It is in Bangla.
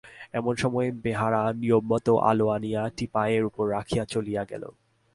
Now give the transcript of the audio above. এমন সময় বেহারা নিয়মমত আলো আনিয়া টিপাইয়ের উপর রাখিয়া চলিয়া গেল।